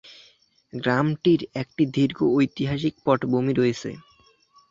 গ্রামটির একটি দীর্ঘ ঐতিহাসিক পটভূমি রয়েছে।